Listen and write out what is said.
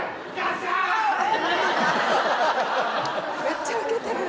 めっちゃウケてる。